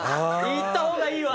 行った方がいいわ。